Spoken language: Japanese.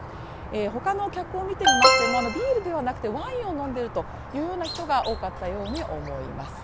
他の客を見てみましてもビールではなくてワインを飲んでいる人が多かったように思います。